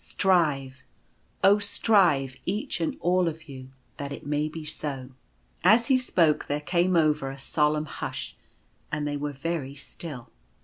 Strive, oh ! strive, each and all of you, that it may be so." As he spoke there came over all a solemn hush, and they were very still.